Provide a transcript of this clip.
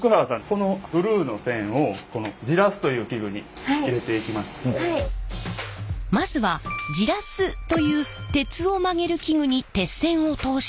このまずはジラスという鉄を曲げる器具に鉄線を通します。